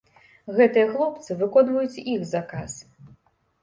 Гэтыя хлопцы выконваюць іх заказ.